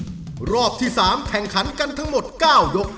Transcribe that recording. ที่ต่อสู่เวทีคล้ำรอบที่สามแข่งขรรค์กันทั้งหมด๙ยก